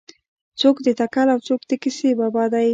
څوک د تکل او څوک د کیسې بابا دی.